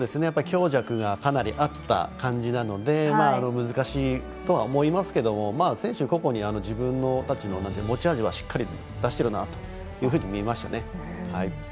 強弱がかなりあった感じなので難しいとは思いますけど選手、個々に自分たちの持ち味はしっかり出しているなというふうに見えましたね。